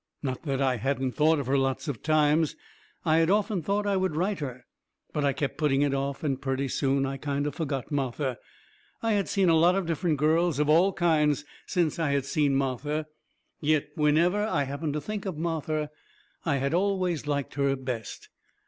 Not that I hadn't thought of her lots of times. I had often thought I would write her. But I kept putting it off, and purty soon I kind of forgot Martha. I had seen a lot of different girls of all kinds since I had seen Martha. Yet, whenever I happened to think of Martha, I had always liked her best.